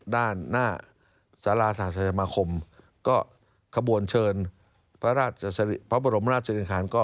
ด้านหน้าศาลาสนาธารณมาคมก็กระบวนเชิญพระบรมราชศรีรังคาร